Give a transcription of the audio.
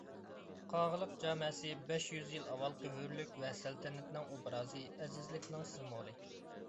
قاغىلىق جامەسى بەش يۈز يىل ئاۋۋالقى ھۆرلۈك ۋە سەلتەنەتنىڭ ئوبرازى، ئەزىزلىكنىڭ سىمۋولى.